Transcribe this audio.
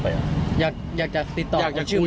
พี่บ้านไม่อยู่ว่าพี่คิดดูด